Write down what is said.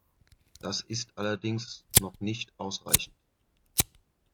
Das ist allerdings noch nicht ausreichend.